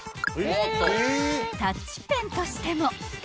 ［タッチペンとしても］